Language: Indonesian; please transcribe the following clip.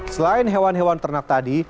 selain hewan hewan ternak tadi